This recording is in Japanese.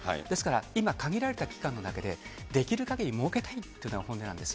今限られた期間の中で、できるかぎりもうけたいっていうのが本音なんです。